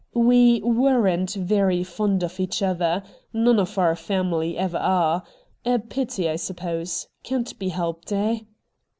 ' We weren't very fond of each other. None of our family ever are. A pity, I suppose. Can't be helped, eh